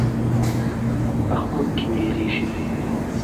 په خوب کې وېرېږي.